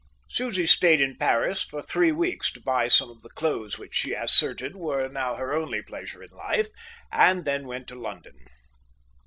Susie stayed in Paris for three weeks to buy some of the clothes which she asserted were now her only pleasure in life, and then went to London.